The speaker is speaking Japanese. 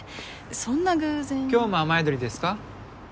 そんな偶然今日も雨宿りですか？